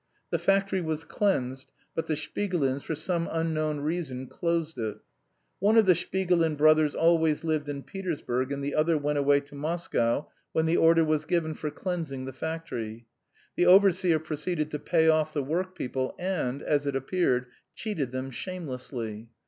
The factory was cleansed, but the Shpigulins, for some unknown reason, closed it. One of the Shpigulin brothers always lived in Petersburg and the other went away to Moscow when the order was given for cleansing the factory. The overseer proceeded to pay off the workpeople and, as it appeared, cheated them shamelessly.